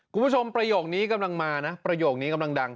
ประโยคนี้กำลังมานะประโยคนี้กำลังดัง